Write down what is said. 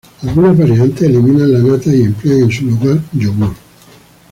Algunas variantes eliminan la nata y emplean en su lugar yogurt.